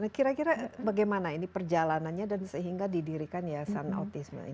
nah kira kira bagaimana ini perjalanannya dan sehingga didirikan yayasan autisme ini